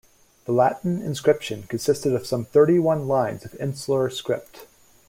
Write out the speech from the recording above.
The Latin inscription consisted of some thirty-one lines of insular script.